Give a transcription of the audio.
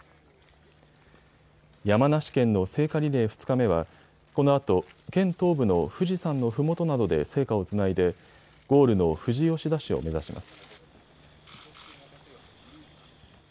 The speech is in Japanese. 山梨県の聖火リレー２日目はこのあと県東部の富士山のふもとなどで聖火をつないでゴールの富士吉田市を目指します。